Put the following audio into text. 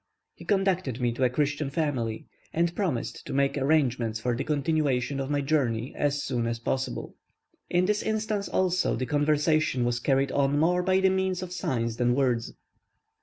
He conducted me to a Christian family, and promised to make arrangements for the continuation of my journey as soon as possible. In this instance, also, the conversation was carried on more by the means of signs than words.